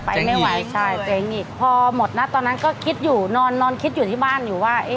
ไปไม่ไหวใช่เจ๊งอีกพอหมดนะตอนนั้นก็คิดอยู่นอนนอนคิดอยู่ที่บ้านอยู่ว่า